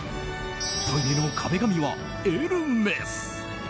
トイレの壁紙はエルメス！